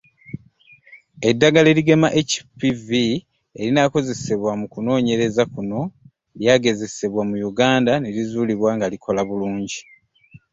Eddagala erigema HPV erinaakozesebwa mu kunoonyereza kuno lyagezesebwa mu Uganda ne lizuulwa nga likola bulungi.